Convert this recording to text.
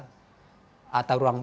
atau ruang tanahnya dibongkar